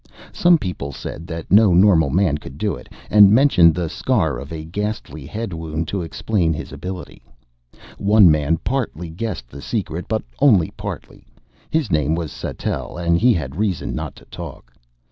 Some people said that no normal man could do it, and mentioned the scar of a ghastly head wound to explain his ability. One man partly guessed the secret, but only partly. His name was Sattell and he had reason not to talk.